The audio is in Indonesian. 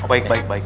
baik baik baik